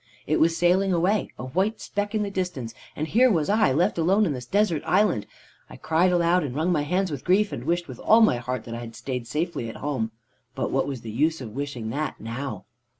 It was sailing away, a white speck in the distance, and here was I, left alone upon this desert island. I cried aloud and wrung my hands with grief, and wished with all my heart that I had stayed safely at home. But what was the use of wishing that now?